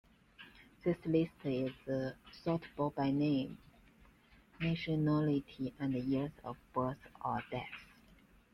This list is sortable by name, nationality and years of birth or death.